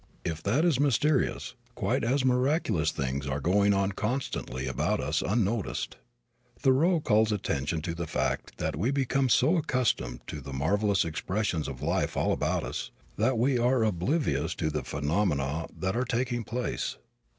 If that is mysterious quite as miraculous things are going on constantly about us unnoticed. Thoreau calls attention to the fact that we become so accustomed to the marvelous expressions of life all about us that we are oblivious of the phenomena that are taking place.